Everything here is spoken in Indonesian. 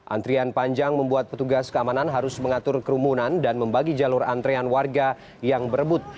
antrian panjang membuat petugas keamanan harus mengatur kerumunan dan membagi jalur antrean warga yang berebut